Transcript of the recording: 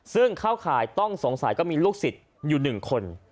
ซึ่งเข้าข่ายต้องสงสัยก็มีลูกศิษย์อยู่๑คน